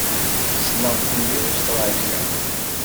Ssneɣ-ten deg Ustṛalya.